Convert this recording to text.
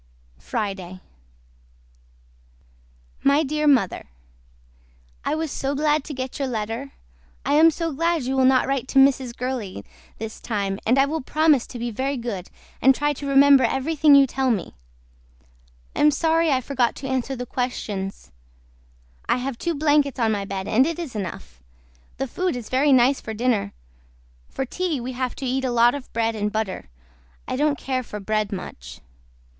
FRIDAY MY DEAR MOTHER I WAS SO GLAD TO GET YOUR LETTER I AM SO GLAD YOU WILL NOT WRITE TO MRS. GURLEY THIS TIME AND I WILL PROMISE TO BE VERY GOOD AND TRY TO REMEMBER EVERYTHING YOU TELL ME. I AM SORRY I FORGOT TO ANSWER THE QUESTIONS I HAVE TWO BLANKETS ON MY BED AND IT IS ENOUGH. THE FOOD IS VERY NICE FOR DINNER FOR TEA WE HAVE TO EAT A LOT OF BREAD AND BUTTER I DON'T CARE FOR BREAD MUCH.